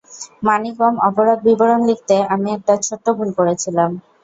মানিকম, অপরাধ বিবরণ লিখতে আমি একটা ছোট্ট ভুল করেছিলাম।